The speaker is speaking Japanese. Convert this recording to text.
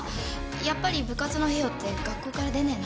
やっぱり部活の費用って学校から出ねえの？